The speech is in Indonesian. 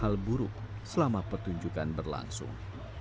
hal buruk selama pertunjukan berlangsung